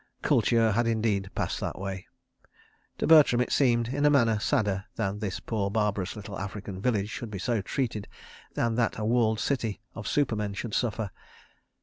Kultur had indeed passed that way. To Bertram it seemed, in a manner, sadder that this poor barbarous little African village should be so treated than that a walled city of supermen should suffer.